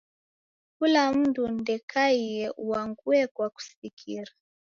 Kula mundu ndekaie uangue kwa kusikira.